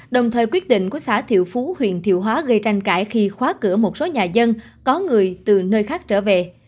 đồng thời quyết định của xã thiệu phú huyện thiệu hóa gây tranh cãi khi khóa cửa một số nhà dân có người từ nơi khác trở về